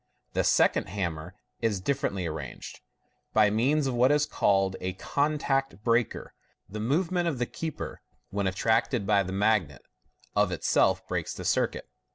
The second hammer is differ ently arranged. By means of what is called a " contact breaker," the movement of the keeper, when attracted by the magnet, of itself breaks the circuit.